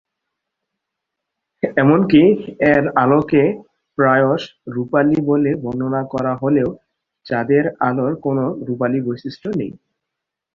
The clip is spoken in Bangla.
এমনকি এর আলোকে প্রায়শ "রূপালি" বলে বর্ণনা করা হলেও, চাঁদের আলোর কোনো রূপালি বৈশিষ্ট্য নেই।